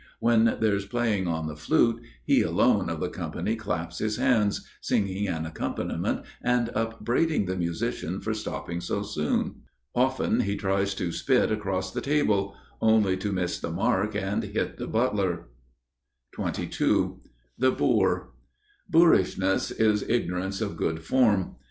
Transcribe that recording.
When there's playing on the flute, he alone of the company claps his hands, singing an accompaniment and upbraiding the musician for stopping so soon. Often he tries to spit across the table,—only to miss the mark and hit the butler. XXII The Boor (Ἀγροικία) Boorishness is ignorance of good form.